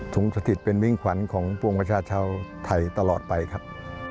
สถิตเป็นมิ่งขวัญของปวงประชาชนชาวไทยตลอดไปครับ